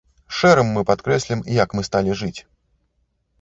Шэрым мы падкрэслім, як мы сталі жыць!